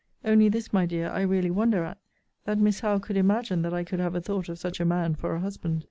Only this, my dear, I really wonder at, that Miss Howe could imagine that I could have a thought of such a man for a husband.